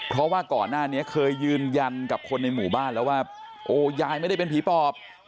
เพราะว่าก่อนหน้านี้เคยยืนยันกับคนในหมู่บ้านแล้วว่าโอ้ยายไม่ได้เป็นผีปอบ